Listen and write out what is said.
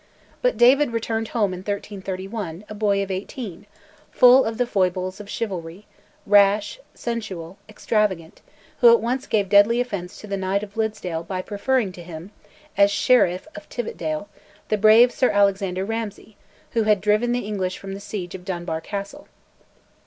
But David returned home in 1341, a boy of eighteen, full of the foibles of chivalry, rash, sensual, extravagant, who at once gave deadly offence to the Knight of Liddesdale by preferring to him, as sheriff of Teviotdale, the brave Sir Alexander Ramsay, who had driven the English from the siege of Dunbar Castle.